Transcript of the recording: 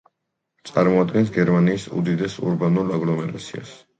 წარმოადგენს გერმანიის უდიდეს ურბანულ აგლომერაციას.